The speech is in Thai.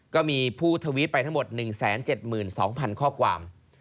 ก็มีผู้ทวิตไปทั้งหมด๑๗๒๐๐๐ข้อความ